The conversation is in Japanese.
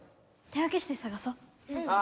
手分けしてさがそう。